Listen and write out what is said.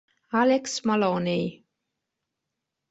Alex Maloney